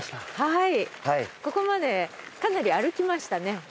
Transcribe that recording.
ここまでかなり歩きましたね。